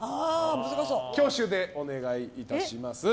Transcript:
挙手でお願いします。